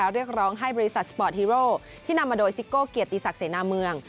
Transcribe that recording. เรียกร้องให้บริษัทสปอร์ตฮีโร่ที่นำมาโดยซิโก้เกียรติศักดิเสนาเมือง